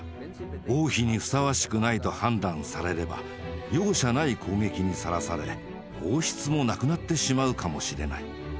王妃にふさわしくないと判断されれば容赦ない攻撃にさらされ王室もなくなってしまうかもしれない。